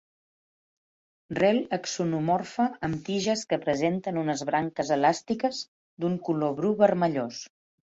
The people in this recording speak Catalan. Rel axonomorfa amb tiges que presenten unes branques elàstiques d'un color bru vermellós.